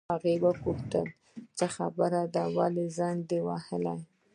هغې وپوښتل: څه خبره ده، ولې دې زنګ وواهه؟